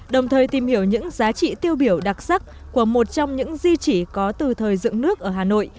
đồng thời tìm hiểu những giá trị tiêu biểu đặc sắc của một trong những di chỉ có từ thời dựng nước ở hà nội